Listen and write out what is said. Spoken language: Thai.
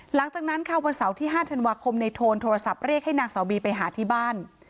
หลังจากนั้นค่ะวันเสาร์ที่๕ธันวาคมในโทนโทรศัพท์เรียกให้นางสาวบีไปหาที่บ้าน